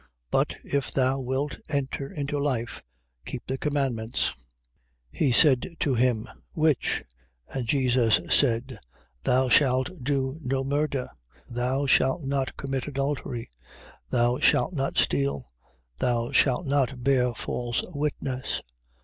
But if thou wilt enter into life, keep the commandments. 19:18. He said to him: Which? And Jesus said: Thou shalt do no murder, Thou shalt not commit adultery, Thou shalt not steal, Thou shalt not bear false witness.